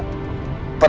perih sama berair